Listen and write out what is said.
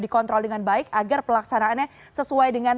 dikontrol dengan baik agar pelaksanaannya sesuai dengan